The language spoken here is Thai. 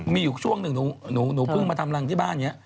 ้มีอยู่ช่วงหนึ่งหนูพึ่งมาทำรังที่บ้านเนี่ย